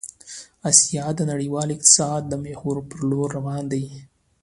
آسيا د نړيوال اقتصاد د محور په لور روان ده